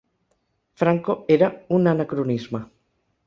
Franco era un anacronisme